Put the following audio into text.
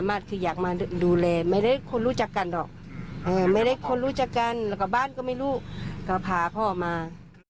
ไม่มีคนรู้จักกันหรอกไม่ได้คนรู้จักกันแล้วก็บ้านก็ไม่รู้ก็พาพ่อมา